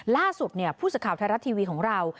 ล่าสุดผู้สื่อข่าวไทยรัฐทีวีของเรา